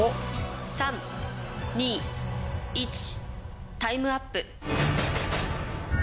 ・３・２・１タイムアップ